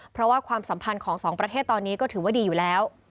เพราะว่าความสัมพันธ์ของสองประเทศตอนนี้ก็ถือว่าดีอยู่แล้ว